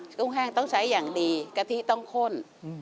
กุ้งแห้งต้องใช้อย่างดีกะทิต้องข้น